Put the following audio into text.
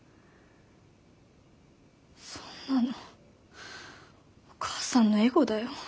そんなのお母さんのエゴだよ。